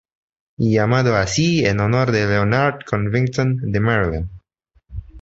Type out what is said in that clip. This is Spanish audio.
Llamado así en honor de Leonard Covington, de Maryland.